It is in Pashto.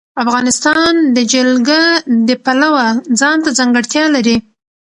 افغانستان د جلګه د پلوه ځانته ځانګړتیا لري.